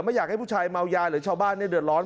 ไม่อยากให้ผู้ชายเมายาหรือชาวบ้านเดือดร้อน